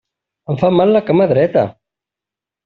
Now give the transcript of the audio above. Em fa mal la cama dreta!